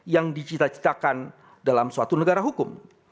yang dicita citakan dalam suatu negara hukum